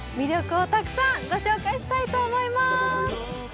今回は、鳥羽の魅力をたくさんご紹介したいと思います！